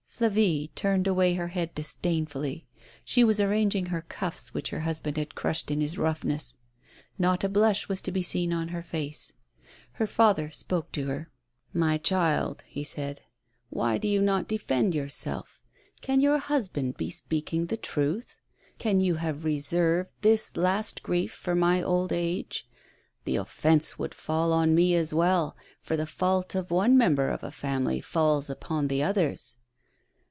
Flavie turned away her head disdainfully. She was arranging her cuffs, which her husband had crushed in his roughness. Not a blush was to be seen on her face. Her father spoke to her. 94 A SPOILED TBIUMPH. " My child," said he, " why do you not defend your self? Can your husband be speaking the truth ? Can you have reserved this last grief for my old age ? The oftence would fall on me as well ; for the fault of one member of a family falls upon the others."